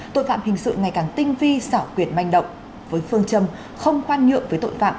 tội phạm hình sự ngày càng tinh vi xảo quyệt manh động với phương châm không khoan nhượng với tội phạm